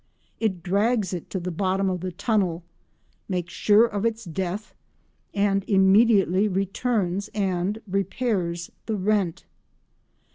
It drags it to the bottom of the tunnel, makes sure of its death, and immediately returns and repairs the rent.